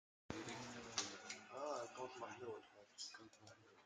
Une autre particularité de cet album est l’ambiance très épique qui y est dégagée.